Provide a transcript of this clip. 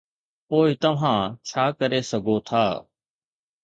پوء توهان ڇا ڪري سگهو ٿا؟